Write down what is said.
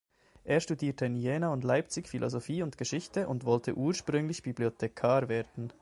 Er studierte in Jena und Leipzig Philosophie und Geschichte und wollte ursprünglich Bibliothekar werden.